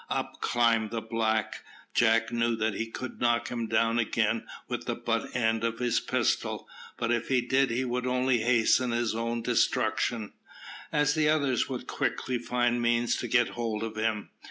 Up climbed the black. Jack knew that he could knock him down again with the butt end of his pistol, but if he did he would only hasten his own destruction, as the others would quickly find means to get hold of him.